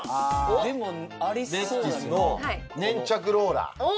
ベスティスの粘着ローラーおっ